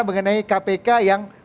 mengenai kpk yang